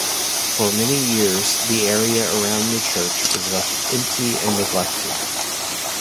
For many years the area around the church was left empty and neglected.